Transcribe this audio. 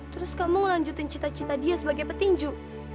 terus kamu lanjutin cita cita dia sebagai petinju